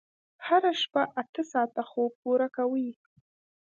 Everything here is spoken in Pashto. هره شپه اته ساعته خوب پوره کوئ.